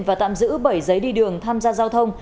và tạm giữ bảy giấy đi đường tham gia giao thông